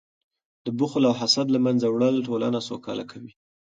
د بخل او حسد له منځه وړل ټولنه سوکاله کوي.